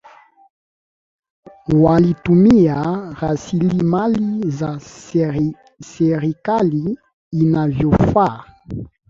Walitumia rasilimali za serikali inavyofaa